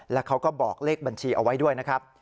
แล้วเขาก็บอกเลขบัญชีเอาไว้ด้วยนะครับ